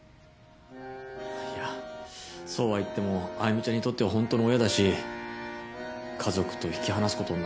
いやそうは言っても愛魅ちゃんにとってはホントの親だし家族と引き離すことになったら。